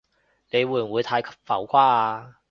你會唔會太浮誇啊？